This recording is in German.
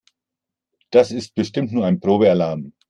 Das ist bestimmt nur ein Probealarm.